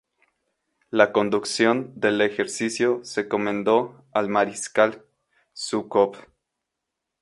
La conducción del ejercicio se encomendó al Mariscal Zhúkov.